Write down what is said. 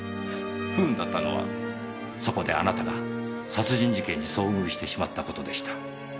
不運だったのはそこであなたが殺人事件に遭遇してしまった事でした。